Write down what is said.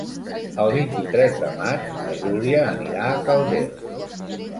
El vint-i-tres de maig na Júlia anirà a Calders.